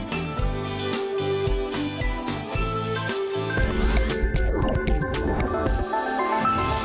โปรดติดตามตอนต่อไป